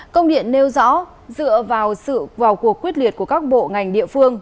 công điện nêu rõ dựa vào cuộc quyết liệt của các bộ ngành địa phương